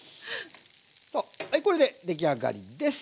はいこれで出来上がりです！